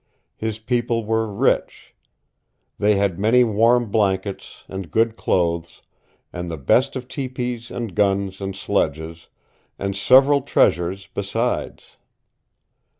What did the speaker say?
His people were rich. They had many warm blankets, and good clothes, and the best of tepees and guns and sledges, and several treasures besides.